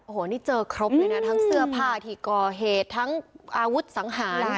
โอ้โหนี่เจอครบเลยนะทั้งเสื้อผ้าที่ก่อเหตุทั้งอาวุธสังหาร